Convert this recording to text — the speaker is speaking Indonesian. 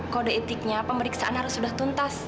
kode etiknya pemeriksaan harus sudah tuntas